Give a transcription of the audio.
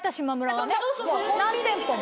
何店舗も。